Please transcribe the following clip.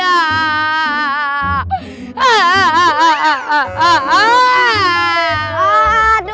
waduh jadi ini nih pelakunya